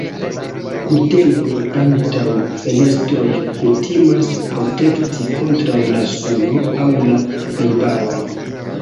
Kurtenoj antaŭ fenestroj kutimas protekti kontraŭ la suno aŭ la najbaroj.